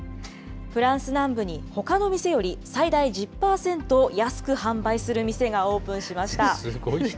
フランス南部にほかの店より最大１０％安く販売する店がオープンすごい人。